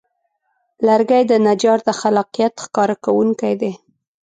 لرګی د نجار د خلاقیت ښکاره کوونکی دی.